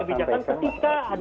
kita sampai ke tempat